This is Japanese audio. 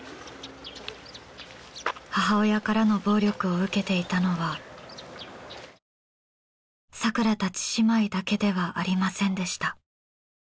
母親からの暴力を受けていたのはさくらたち姉妹だけではありませんでした。